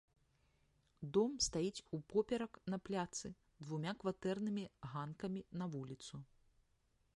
Дом стаіць упоперак на пляцы, двума кватэрнымі ганкамі на вуліцу.